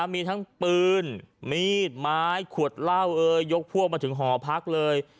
มีทั้งปืนมีดไม้ขวดเหล้ายกพวกมาถึงหอพักเลย